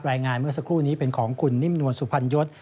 รายงานเมื่อสักครู่นี้เป็นของคุณนิมนวรสุพันยศ